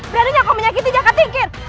beraninya kau menyakiti jaga tinggi